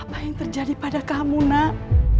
apa yang terjadi pada kamu nak